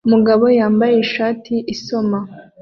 Umugabo yambaye ishati isoma